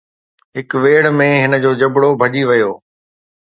هڪ ويڙهه ۾ هن جو جبرو ڀڄي ويو